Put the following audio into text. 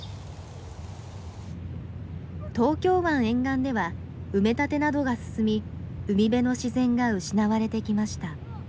東京湾沿岸では埋め立てなどが進み海辺の自然が失われてきました。